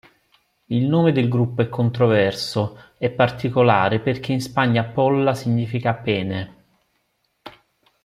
Il nome del gruppo è controverso e particolare perché in Spagna "polla" significa pene.